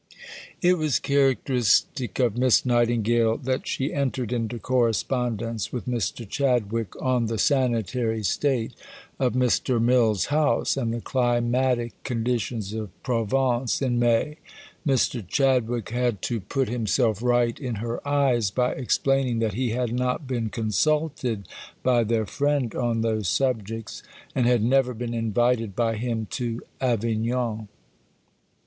It was characteristic of Miss Nightingale that she entered into correspondence with Mr. Chadwick on the sanitary state of Mr. Mill's house and the climatic conditions of Provence in May. Mr. Chadwick had to put himself right in her eyes by explaining that he had not been consulted by their friend on those subjects and had never been invited by him to Avignon.